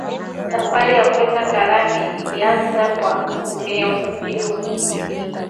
Safari ya kwenda Ngarambi ilianza kwa kutumia usafiri wa pikipiki